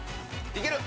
いける！